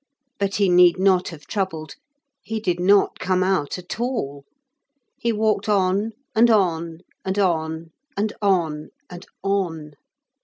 But he need not have troubled. He did not come out at all. He walked on and on and on and on and on.